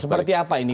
seperti apa ini